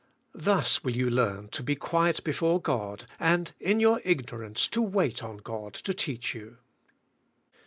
Thus will you learn to be quiet before God, and in your ignorance to wait on God to teach you.